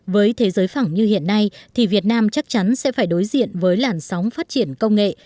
với thế giới phẳng như hiện nay thì việt nam chắc chắn sẽ phải đối diện với làn sóng phát triển công nghệ